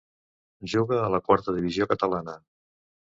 Juga a la quarta divisió catalana.